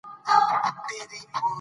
د خلکو بې اعتنايي خطرناکه ده